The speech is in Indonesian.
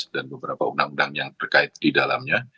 dan beberapa undang undang yang terkait di dalamnya